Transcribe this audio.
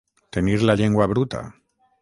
Tenir la llengua bruta.